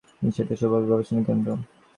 তো, এটাই সৌভাগ্য গবেষণা কেন্দ্র।